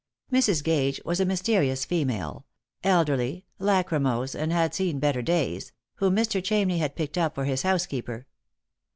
Mrs. Gage was a mysterious female — elderly, lachrymose, and had seen better days — whom Mr. Chamney had picked up for his housekeeper.